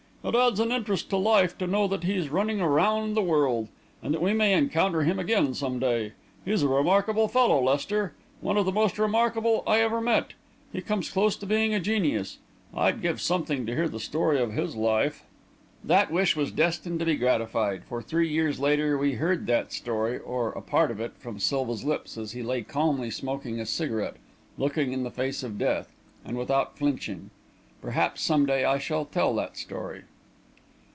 "It adds an interest to life to know that he's running around the world, and that we may encounter him again some day. He's a remarkable fellow, Lester; one of the most remarkable I ever met. He comes close to being a genius. I'd give something to hear the story of his life." That wish was destined to be gratified, for, three years later, we heard that story, or a part of it, from Silva's lips, as he lay calmly smoking a cigarette, looking in the face of death, and without flinching. Perhaps, some day, I shall tell that story.